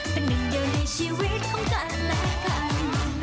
เป็นหนึ่งเดียวในชีวิตของกันและกัน